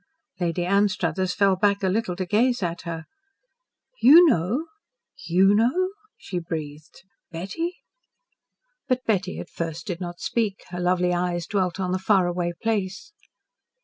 Lady Anstruthers fell back a little to gaze at her. "YOU know? YOU know?" she breathed. "Betty?" But Betty at first did not speak. Her lovely eyes dwelt on the far away place.